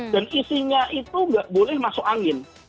dan isinya itu tidak boleh masuk angin